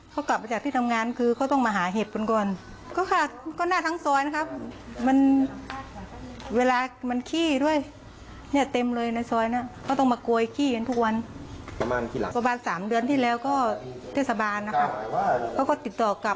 เขาว่าจะมาเก็บให้ก็หายไปเลยให้มาจัดการไอ้สามตัวเนี่ยค่ะ